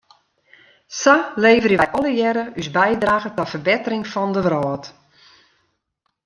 Sa leverje wij allegearre ús bydrage ta ferbettering fan de wrâld.